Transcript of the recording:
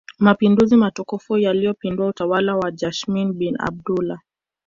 Mapinduzi matukufu yaliyopindua utawala wa Jamshid bin Abdullah